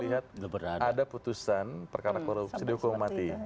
saya yang pernah melihat ada putusan terkara korupsi dihukum mati